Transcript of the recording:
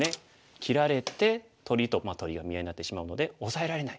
切られて取りと取りが見合いになってしまうのでオサえられない。